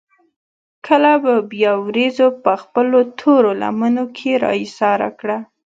کله به بيا وريځو پۀ خپلو تورو لمنو کښې را ايساره کړه ـ